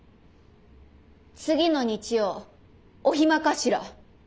次の日曜お暇かしら？